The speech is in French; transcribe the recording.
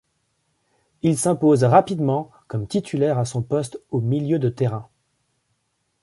Il s'impose rapidement comme titulaire à son poste au milieu de terrain.